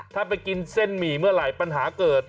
ถ้าไปกินเส้นหมี่เมื่อไหร่ปัญหาเกิด